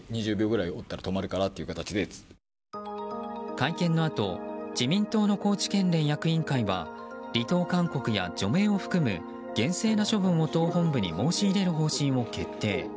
会見のあと自民党の高知県連役員会は離党勧告や除名を含む厳正な処分を党本部に申し入れる方針を決定。